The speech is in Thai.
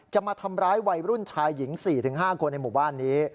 จะมาทำร้ายวัยรุ่นชายหญิง๔๕คนในหมู่บ้านนี้